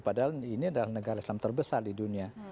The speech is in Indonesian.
padahal ini adalah negara islam terbesar di dunia